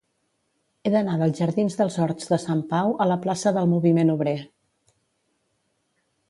He d'anar dels jardins dels Horts de Sant Pau a la plaça del Moviment Obrer.